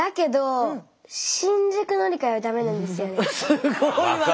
すごいわね。